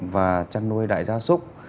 và chăn nuôi đại gia súc